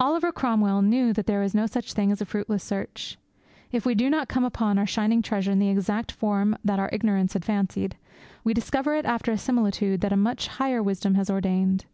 Oliver Cromwell knew that there is no such thing as a fruitless search. If we do not come upon our shining treasure in the exact form that our ignorance had fancied, we discover it after a similitude that a much higher wisdom has ordained.